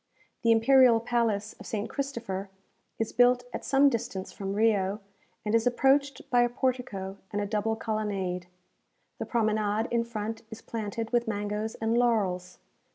The imperial palace of St. Christopher is built at some distance from Rio, and is approached by a portico and a double colonnade. The promenade in front is planted with mangoes and laurels.